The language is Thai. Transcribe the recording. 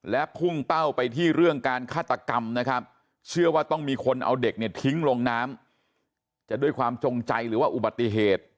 และพุ่งเป้าไปที่เรื่องการฆาตกรรมนะครับเชื่อว่าต้องมีคนเอาเด็กเนี่ยทิ้งลงน้ำจะด้วยความจงใจหรือว่าอุบัติเหตุ